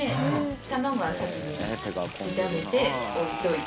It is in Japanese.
卵は先に炒めて置いといて。